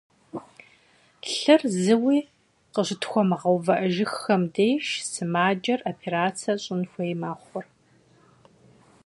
Лъыр зыуи къыщытхуэмыгъэувыӏэххэм деж, сымаджэр операцие щӏын хуей мэхъур.